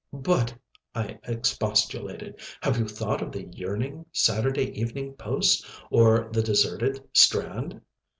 "But," I expostulated, "have you thought of the yearning Saturday Evening Post, of the deserted Strand?"